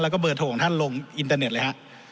แล้วก็เบอร์โทรของท่านลงอินเตอร์เน็ตเลยฮะ